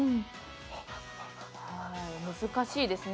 難しいですね。